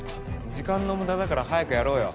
時間の無駄だから早くやろうよ。